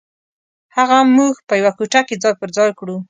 هغه موږ په یوه کوټه کې ځای پر ځای کړو.